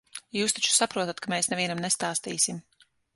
Jūs taču saprotat, ka mēs nevienam nestāstīsim.